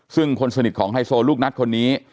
ซึ่งคนสนิทของไฮโซลูกนัดคนนี้